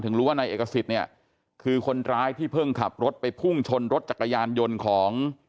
รู้ว่านายเอกสิทธิ์เนี่ยคือคนร้ายที่เพิ่งขับรถไปพุ่งชนรถจักรยานยนต์ของ